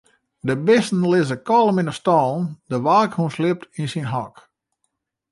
De bisten lizze kalm yn 'e stâlen, de waakhûn sliept yn syn hok.